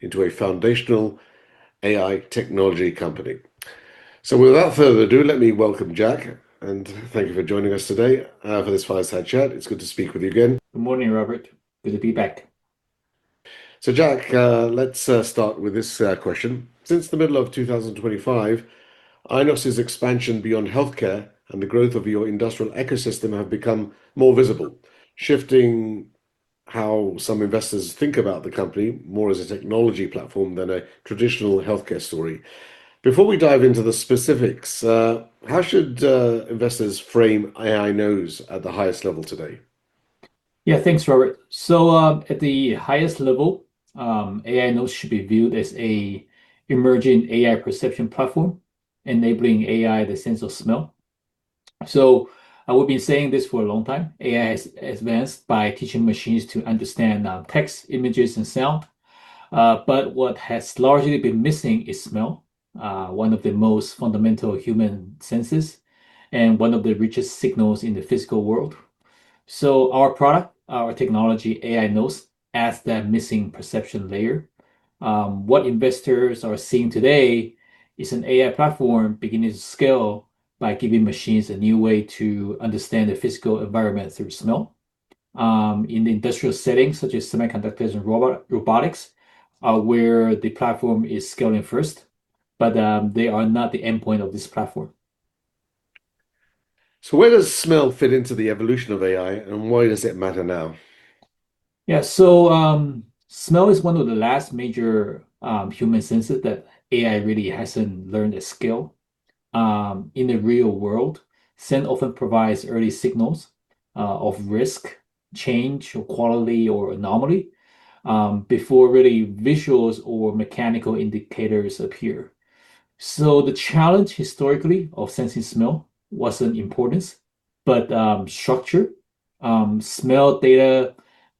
into a foundational AI technology company. So without further ado, let me welcome Jack, and thank you for joining us today, for this Fireside Chat. It's good to speak with you again. Good morning, Robert. Good to be back. So Jack, let's start with this question. Since the middle of 2025, Ainos's expansion beyond healthcare and the growth of your industrial ecosystem have become more visible, shifting how some investors think about the company more as a technology platform than a traditional healthcare story. Before we dive into the specifics, how should investors frame AI Nose at the highest level today? Yeah, thanks, Robert. So, at the highest level, AI Nose should be viewed as an emerging AI perception platform, enabling AI the sense of smell. So I will be saying this for a long time, AI has advanced by teaching machines to understand text, images, and sound. But what has largely been missing is smell, one of the most fundamental human senses and one of the richest signals in the physical world. So our product, our technology, AI Nose, adds that missing perception layer. What investors are seeing today is an AI platform beginning to scale by giving machines a new way to understand the physical environment through smell, in the industrial settings such as semiconductors and robotics, where the platform is scaling first, but they are not the endpoint of this platform. Where does smell fit into the evolution of AI, and why does it matter now? Yeah. So, smell is one of the last major, human senses that AI really hasn't learned to scale. In the real world, scent often provides early signals, of risk, change or quality or anomaly, before really visuals or mechanical indicators appear. So the challenge historically of sensing smell wasn't importance, but, structure. Smell data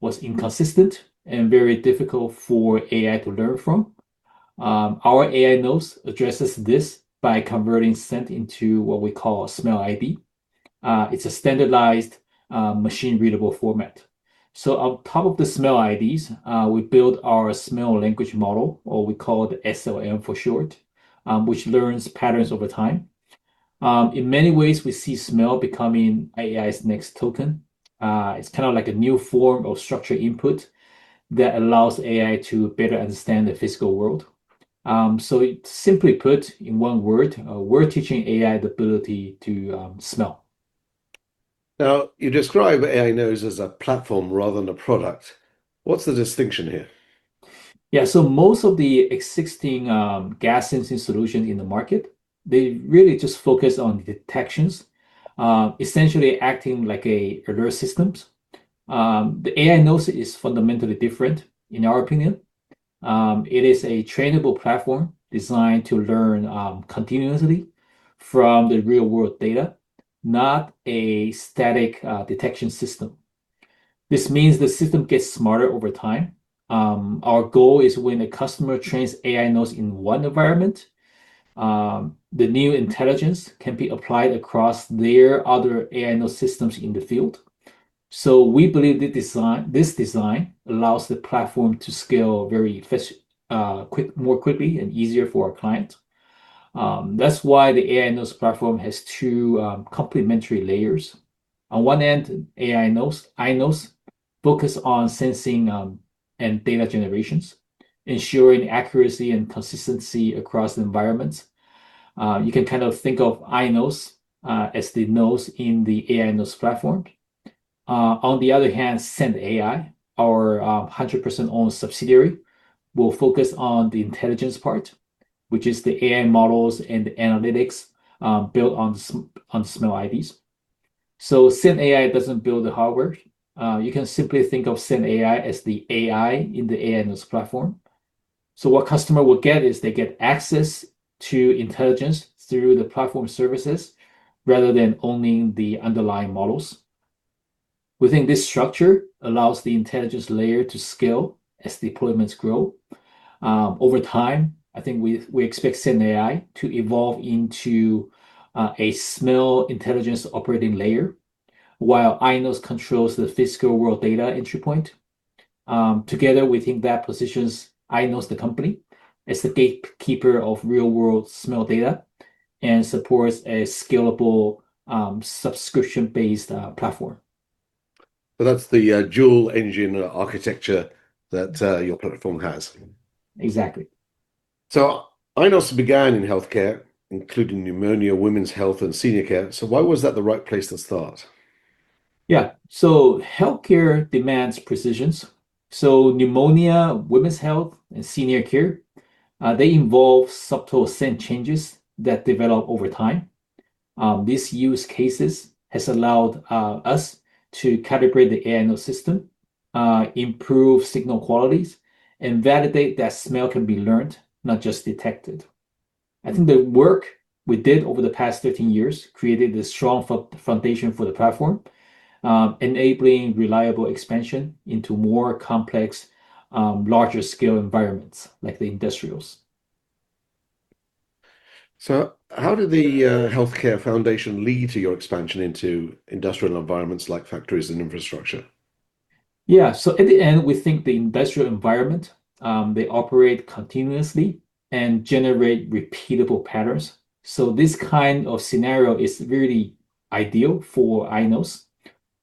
was inconsistent and very difficult for AI to learn from. Our AI Nose addresses this by converting scent into what we call a Smell ID. It's a standardized, machine-readable format. So on top of the Smell IDs, we build our smell language model, or we call it SLM for short, which learns patterns over time. In many ways, we see smell becoming AI's next token. It's kind of like a new form of structured input that allows AI to better understand the physical world. So simply put, in one word, we're teaching AI the ability to smell. Now, you describe AI Nose as a platform rather than a product. What's the distinction here? Yeah. So most of the existing gas sensing solution in the market, they really just focus on detections, essentially acting like alert systems. The AI Nose is fundamentally different, in our opinion. It is a trainable platform designed to learn continuously from the real-world data, not a static detection system. This means the system gets smarter over time. Our goal is when a customer trains AI Nose in one environment, the new intelligence can be applied across their other AI Nose systems in the field. So we believe the design—this design allows the platform to scale very quick, more quickly and easier for our client. That's why the AI Nose platform has two complementary layers. On one end, AI Nose, Ainos, focus on sensing and data generations, ensuring accuracy and consistency across the environments. You can kind of think of Ainos as the nose in the AI Nose platform. On the other hand, ScentAI, our 100% owned subsidiary, will focus on the intelligence part, which is the AI models and the analytics built on Smell IDs. So ScentAI doesn't build the hardware. You can simply think of ScentAI as the AI in the AI Nose platform. So what customer will get is they get access to intelligence through the platform services rather than owning the underlying models. We think this structure allows the intelligence layer to scale as deployments grow. Over time, I think we expect ScentAI to evolve into a smell intelligence operating layer, while Ainos controls the physical world data entry point. Together, we think that positions Ainos, the company, as the gatekeeper of real-world smell data and supports a scalable, subscription-based, platform. That's the dual engine architecture that your platform has? Exactly. So Ainos began in healthcare, including pneumonia, women's health, and senior care. So why was that the right place to start? Yeah. So healthcare demands precisions, so pneumonia, women's health, and senior care, they involve subtle scent changes that develop over time. These use cases has allowed us to calibrate the AI Nose system, improve signal qualities, and validate that smell can be learned, not just detected. I think the work we did over the past 13 years created a strong foundation for the platform, enabling reliable expansion into more complex, larger-scale environments like the industrials. ... So how did the healthcare foundation lead to your expansion into industrial environments like factories and infrastructure? Yeah, so at the end, we think the industrial environment, they operate continuously and generate repeatable patterns, so this kind of scenario is really ideal for Ainos.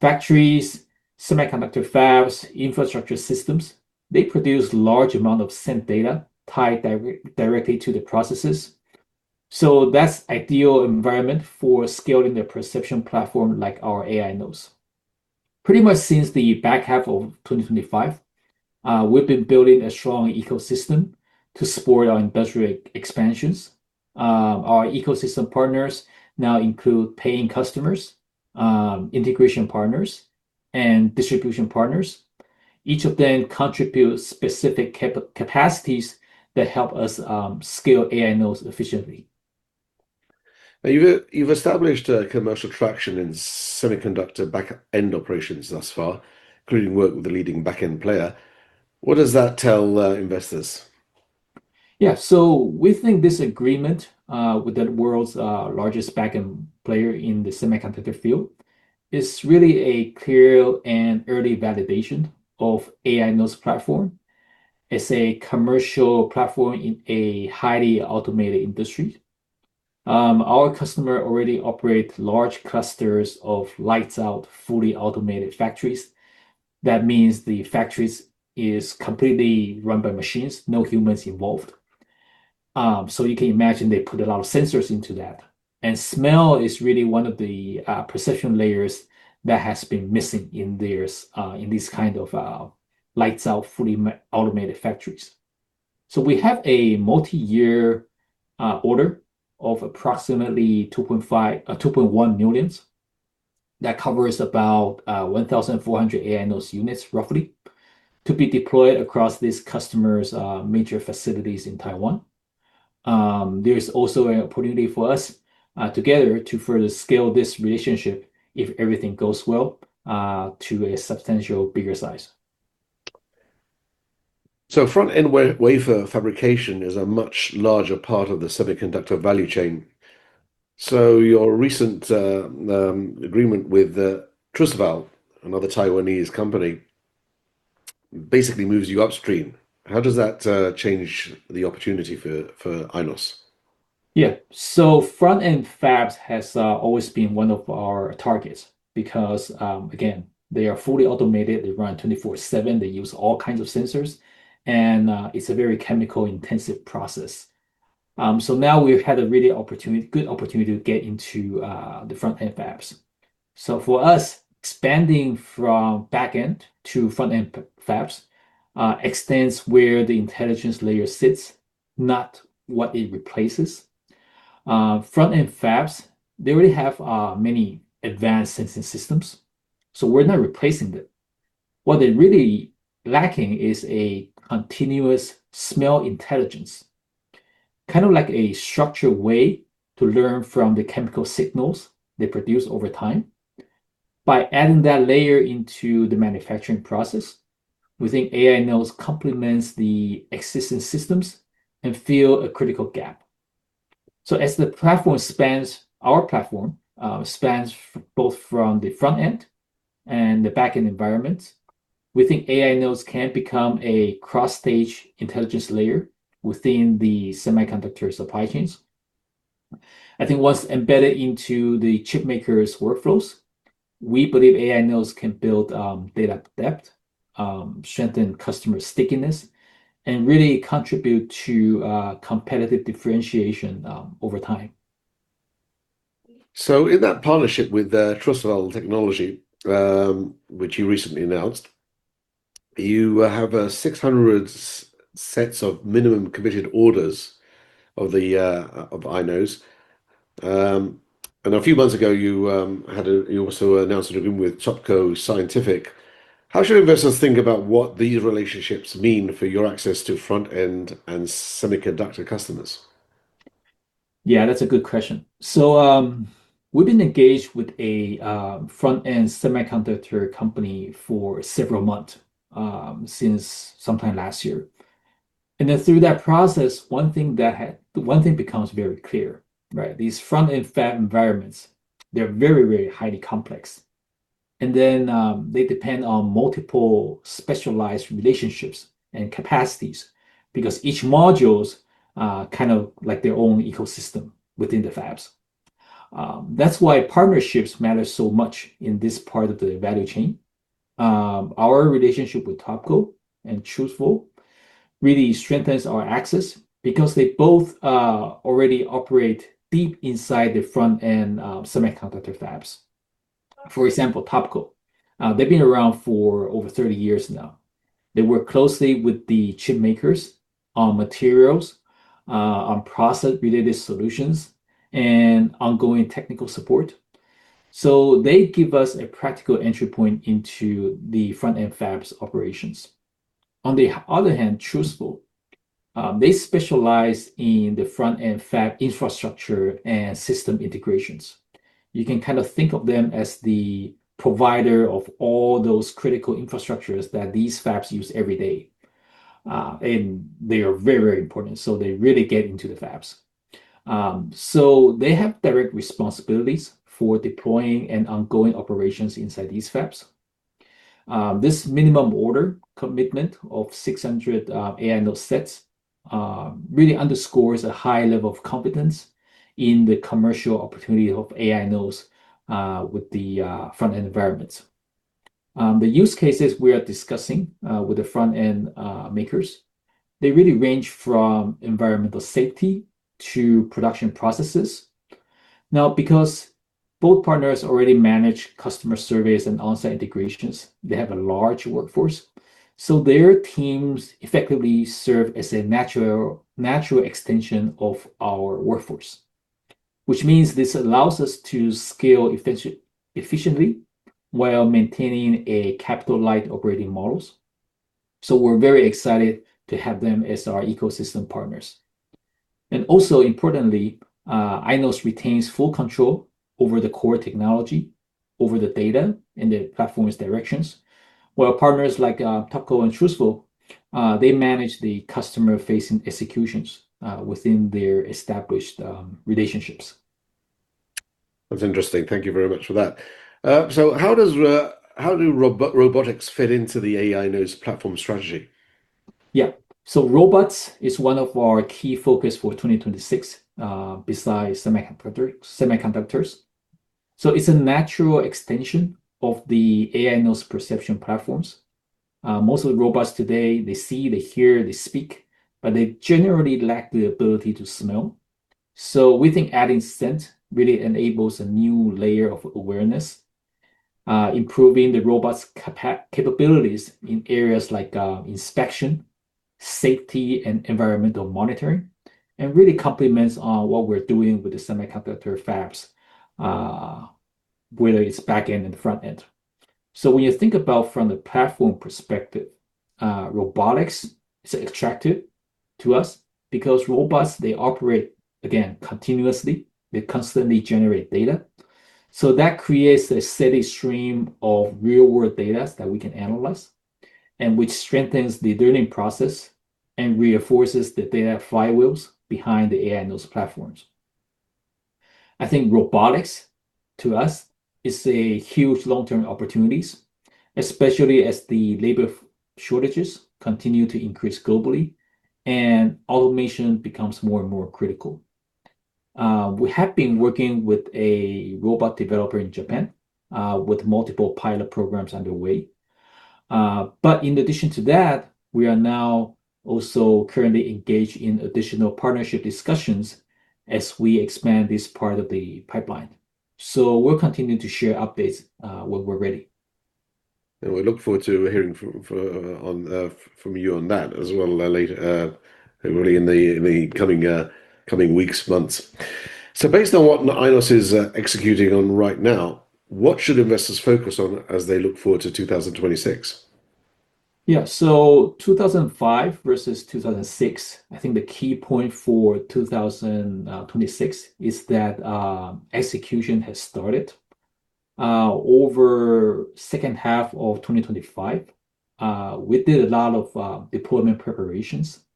Factories, semiconductor fabs, infrastructure systems, they produce large amount of scent data tied directly to the processes, so that's ideal environment for scaling their perception platform like our Ainos. Pretty much since the back half of 2025, we've been building a strong ecosystem to support our industrial expansions. Our ecosystem partners now include paying customers, integration partners, and distribution partners. Each of them contribute specific capacities that help us scale Ainos efficiently. Now, you've established a commercial traction in semiconductor back-end operations thus far, including work with the leading back-end player. What does that tell investors? Yeah. So we think this agreement with the world's largest back-end player in the semiconductor field is really a clear and early validation of Ainos platform. It's a commercial platform in a highly automated industry. Our customer already operate large clusters of lights out, fully automated factories. That means the factories is completely run by machines, no humans involved. So you can imagine they put a lot of sensors into that, and smell is really one of the perception layers that has been missing in these kind of lights out, fully automated factories. So we have a multi-year order of approximately $2.1 million. That covers about 1,400 Ainos units, roughly, to be deployed across this customer's major facilities in Taiwan. There is also an opportunity for us, together to further scale this relationship, if everything goes well, to a substantial bigger size. So front-end wafer fabrication is a much larger part of the semiconductor value chain. So your recent agreement with Trusval, another Taiwanese company, basically moves you upstream. How does that change the opportunity for Ainos? Yeah. So front-end fabs has always been one of our targets because, again, they are fully automated. They run 24/7, they use all kinds of sensors, and it's a very chemical-intensive process. So now we've had a really good opportunity to get into the front-end fabs. So for us, expanding from back-end to front-end fabs extends where the intelligence layer sits, not what it replaces. Front-end fabs, they already have many advanced sensing systems, so we're not replacing them. What they're really lacking is a continuous smell intelligence, kind of like a structured way to learn from the chemical signals they produce over time. By adding that layer into the manufacturing process, we think AI Nos complements the existing systems and fill a critical gap. So as the platform spans... Our platform spans both from the front-end and the back-end environment. We think AI Nose can become a cross-stage intelligence layer within the semiconductor supply chains. I think once embedded into the chip maker's workflows, we believe AI Nose can build data depth, strengthen customer stickiness, and really contribute to competitive differentiation over time. So in that partnership with Trusval Technology, which you recently announced, you have 600 sets of minimum committed orders of the Ainos. And a few months ago, you also announced an agreement with Topco Scientific. How should investors think about what these relationships mean for your access to front-end and semiconductor customers? Yeah, that's a good question. We've been engaged with a front-end semiconductor company for several months, since sometime last year. And then through that process, one thing becomes very clear, right? These front-end fab environments, they're very, very highly complex. And then, they depend on multiple specialized relationships and capacities because each modules are kind of like their own ecosystem within the fabs. That's why partnerships matter so much in this part of the value chain. Our relationship with Topco and Trusval really strengthens our access because they both already operate deep inside the front-end semiconductor fabs. For example, Topco, they've been around for over 30 years now. They work closely with the chip makers on materials, on process-related solutions, and ongoing technical support. So they give us a practical entry point into the front-end fabs operations. On the other hand, Trusval, they specialize in the front-end fab infrastructure and system integrations. You can kind of think of them as the provider of all those critical infrastructures that these fabs use every day, and they are very, very important, so they really get into the fabs. So they have direct responsibilities for deploying and ongoing operations inside these fabs. This minimum order commitment of 600 AI Nose sets really underscores a high level of competence in the commercial opportunity of AI Nose with the front-end environments. The use cases we are discussing with the front-end makers, they really range from environmental safety to production processes. Now, because both partners already manage customer surveys and on-site integrations, they have a large workforce, so their teams effectively serve as a natural extension of our workforce, which means this allows us to scale efficiently while maintaining a capital-light operating models. So we're very excited to have them as our ecosystem partners. And also, importantly, Ainos retains full control over the core technology, over the data, and the platform's directions, while partners like Topco and Trusval they manage the customer-facing executions within their established relationships. That's interesting. Thank you very much for that. So how do robotics fit into the AI NosE platform strategy? Yeah. So robots is one of our key focus for 2026, besides semiconductor, semiconductors. So it's a natural extension of the AI Nose perception platforms. Most of the robots today, they see, they hear, they speak, but they generally lack the ability to smell. So we think adding scent really enables a new layer of awareness, improving the robot's capabilities in areas like, inspection, safety, and environmental monitoring, and really complements on what we're doing with the semiconductor fabs, whether it's back end and front end. So when you think about from the platform perspective, robotics is attractive to us because robots, they operate, again, continuously. They constantly generate data. So that creates a steady stream of real-world data that we can analyze and which strengthens the learning process and reinforces the data flywheels behind the AI Nose platforms. I think robotics, to us, is a huge long-term opportunities, especially as the labor shortages continue to increase globally and automation becomes more and more critical. We have been working with a robot developer in Japan, with multiple pilot programs underway. But in addition to that, we are now also currently engaged in additional partnership discussions as we expand this part of the pipeline. So we're continuing to share updates, when we're ready. And we look forward to hearing from you on that as well, later, really in the coming weeks, months. So based on what Ainos is executing on right now, what should investors focus on as they look forward to 2026? Yeah. So 2025 versus 2026, I think the key point for 2026 is that execution has started. Over second half of 2025, we did a lot of deployment preparations,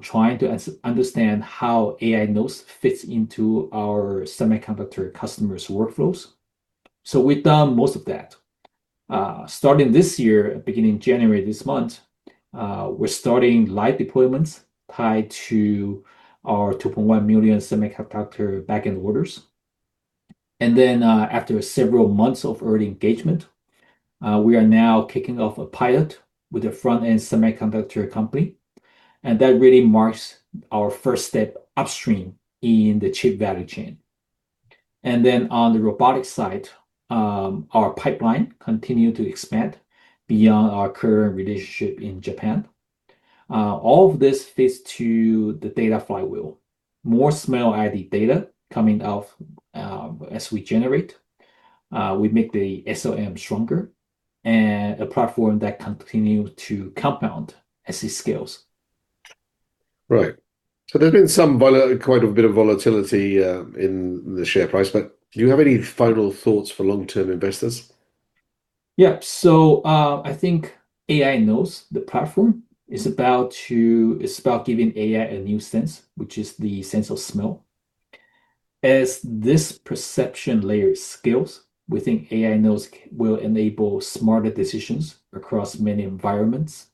trying to understand how AI Nose fits into our semiconductor customers' workflows. So we've done most of that. Starting this year, beginning January, this month, we're starting light deployments tied to our $2.1 million semiconductor backend orders. And then, after several months of early engagement, we are now kicking off a pilot with a front-end semiconductor company, and that really marks our first step upstream in the chip value chain. And then on the robotics side, our pipeline continue to expand beyond our current relationship in Japan. All of this fits to the data flywheel. More Smell ID data coming out, as we generate, we make the SLM stronger and a platform that continue to compound as it scales. Right. So there's been quite a bit of volatility in the share price, but do you have any final thoughts for long-term investors? Yeah. So, I think AI Nose, the platform, is about giving AI a new sense, which is the sense of smell. As this perception layer scales, we think AI Nose will enable smarter decisions across many environments.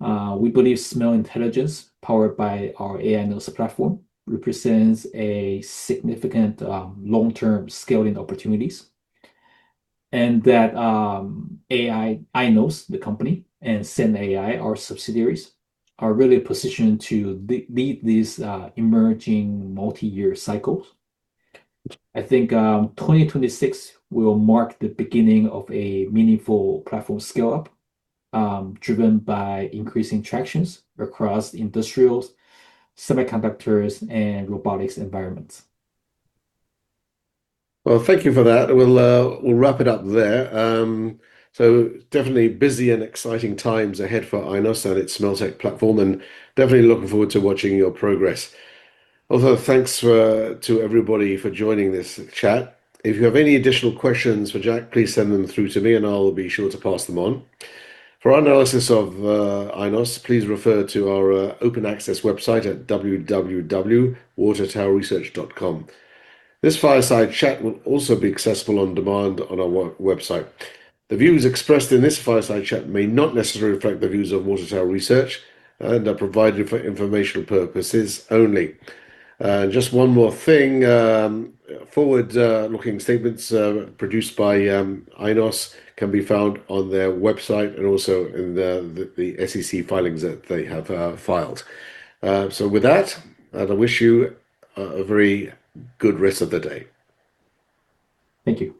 We believe smell intelligence, powered by our AI Nose platform, represents a significant long-term scaling opportunities, and that Ainos, the company, and ScentAI, our subsidiaries, are really positioned to lead these emerging multi-year cycles. I think 2026 will mark the beginning of a meaningful platform scale-up, driven by increasing tractions across industrials, semiconductors, and robotics environments. Well, thank you for that. We'll, we'll wrap it up there. So definitely busy and exciting times ahead for Ainos and its Smelltech platform, and definitely looking forward to watching your progress. Also, thanks, to everybody for joining this chat. If you have any additional questions for Jack, please send them through to me, and I'll be sure to pass them on. For our analysis of, Ainos, please refer to our, open access website at www.watertowerresearch.com. This fireside chat will also be accessible on demand on our website. The views expressed in this fireside chat may not necessarily reflect the views of Water Tower Research and are provided for informational purposes only. Just one more thing, forward-looking statements produced by Ainos can be found on their website and also in the SEC filings that they have filed. So with that, I wish you a very good rest of the day. Thank you.